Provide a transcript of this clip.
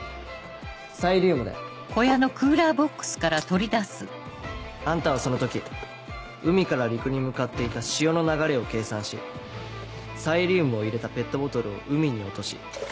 サイリウムだよ。あんたはその時海から陸に向かっていた潮の流れを計算しサイリウムを入れたペットボトルを海に落とし。